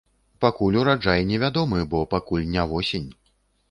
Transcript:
Пакуль ураджай не вядомы, бо пакуль не восень.